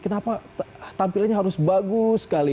kenapa tampilannya harus bagus sekali